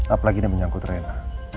apalagi dia menyangkut rena